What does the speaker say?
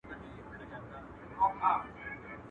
ږيره زما، اختيار ئې د بل.